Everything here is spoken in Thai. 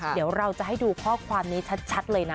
เดี๋ยวเราจะให้ดูข้อความนี้ชัดเลยนะ